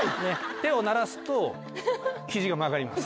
手を鳴らすと肘が曲がります。